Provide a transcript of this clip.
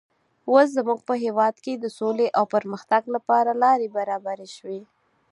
اوس زموږ په هېواد کې د سولې او پرمختګ لپاره لارې برابرې شوې.